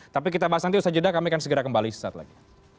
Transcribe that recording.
tapi kita bahas nanti usaha jeda kami akan segera kembali sesaat lagi